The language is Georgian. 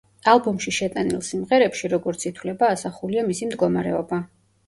ალბომში შეტანილ სიმღერებში, როგორც ითვლება, ასახულია მისი მდგომარეობა.